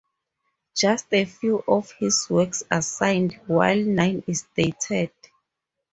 Just a few of his works are signed, while none is dated.